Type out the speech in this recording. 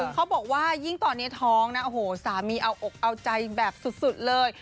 เขาบอกว่ายิ่งตอนนี้ท้องนะโอ้โหสามีเอาอกเอาใจแบบสุดเลย